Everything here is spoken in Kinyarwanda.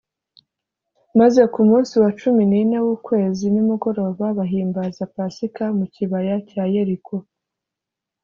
maze ku munsi wa cumi n’ine w’ukwezi, nimugoroba, bahimbaza pasika mu kibaya cya yeriko.